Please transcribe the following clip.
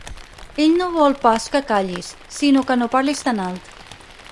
Ell no vol pas que callis, sinó que no parlis tan alt.